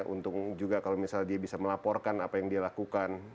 untung juga kalau misalnya dia bisa melaporkan apa yang dia lakukan